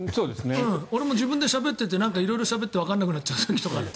俺も自分でしゃべってて色々しゃべっててわからなくなっちゃう時とかあって。